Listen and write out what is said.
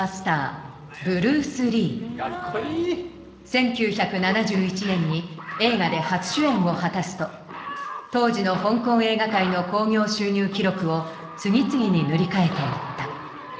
１９７１年に映画で初主演を果たすと当時の香港映画界の興行収入記録を次々に塗り替えていった。